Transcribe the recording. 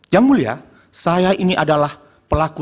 yang mulia saya ini adalah pelaku sembilan puluh delapan